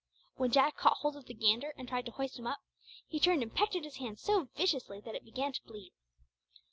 When Jack caught hold of the gander and tried to hoist him up, he turned and pecked at his hand so viciously that it began to bleed.